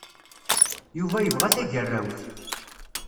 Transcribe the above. Yuba yebɣa tagerrawt.